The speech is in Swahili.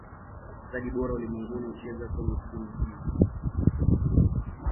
Wachezaji bora ulimwenguni hucheza kwenye timu hizi.